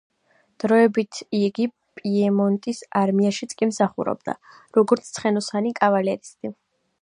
დროებით იგი პიემონტის არმიაშიც კი მსახურობდა, როგორც ცხენოსანი კავალერისტი.